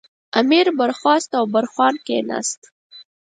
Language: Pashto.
امیر برخاست او برخوان کېناست.